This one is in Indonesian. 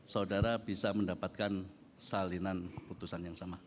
saudara bisa mendapatkan salinan keputusan yang sama